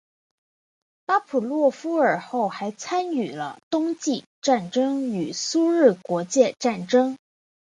巴甫洛夫尔后还参与了冬季战争与苏日国界战争。